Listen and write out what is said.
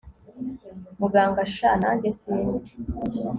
muganga sha nanjye sinzi